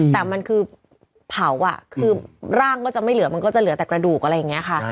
แต่มันคือเผาคือร่างก็จะไม่เหลือมันก็จะเหลือแต่กระดูกอะไรอย่างนี้ค่ะ